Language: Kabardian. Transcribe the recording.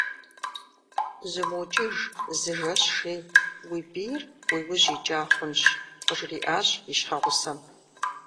Зумыукӏыж, зы жэщ жей, уи бийр уи ужь икӏа хъунщ, - къыжриӏащ и щхьэгъусэм.